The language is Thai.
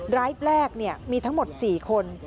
รายแรกมีทั้งหมด๔คน